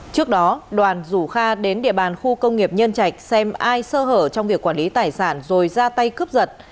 trước đó đoàn rủ kha đến địa bàn khu công nghiệp nhân trạch xem ai sơ hở trong việc quản lý tài sản rồi ra tay cướp giật